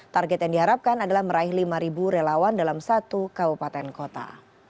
target yang diharapkan adalah meraih lima relawan dalam satu kabupaten kota